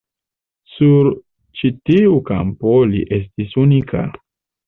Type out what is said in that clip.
Sur ĉi tiu kampo li estis unika.